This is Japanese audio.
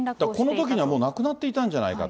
このときにはもう亡くなっていたんじゃないかと。